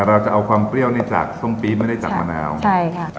เราจะเอาความเปรี้ยวนี่จากส้มปี๊ไม่ได้จากมะนาวใช่ค่ะ